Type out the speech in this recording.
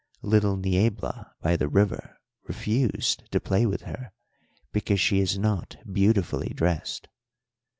Little Niebla by the river refused to play with her because she is not beautifully dressed.'